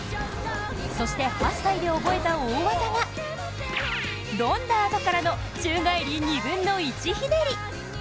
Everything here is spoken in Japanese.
そして８歳で覚えた大技がロンダートからの宙返り２分の１ひねり。